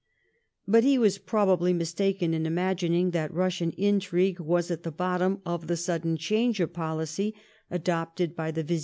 But he was probably mistaken in imagining that Russian intrigue was at the bottom of the sudden change of policy adopted by the / 184 LIFE OF VISCOUNT PALMEB8T0N.